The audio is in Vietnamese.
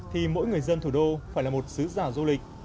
thì mỗi người dân thủ đô phải là một sứ giả du lịch